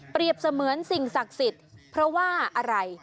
เสมือนสิ่งศักดิ์สิทธิ์เพราะว่าอะไร